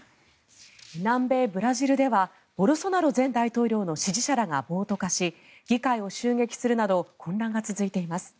南米ブラジルではボルソナロ前大統領の支持者らが暴徒化し議会を襲撃するなど混乱が続いています。